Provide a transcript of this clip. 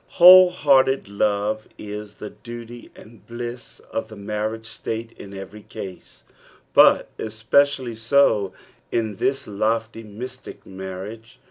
'^ Whole hearted love is tbtt duty and bliss of the marriage state in every case, but especially so in this lofty mystic marriage.